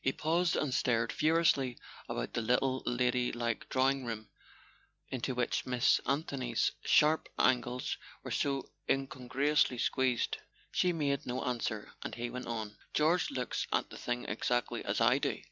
He paused and stared furiously about the little lady¬ like drawing room into which Miss Anthony's sharp angles were so incongruously squeezed. She made no answer, and he went on: "George looks at the thing exactly as I do."